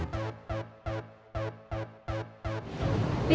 gue kan belum jelasin apa apa sama dia